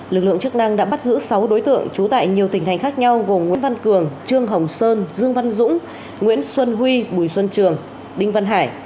lực lượng chức năng đã bắt giữ sáu đối tượng trú tại nhiều tỉnh hành khác nhau gồm nguyễn văn cường trương hồng sơn dương văn dũng nguyễn xuân huy bùi xuân trường đinh văn hải